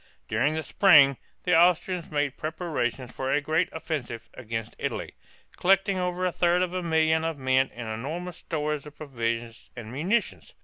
During the spring the Austrians made preparations for a great offensive against Italy, collecting over a third of a million of men and enormous stores of provisions and munitions.